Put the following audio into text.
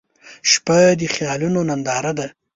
• شپه د خیالونو ننداره ده.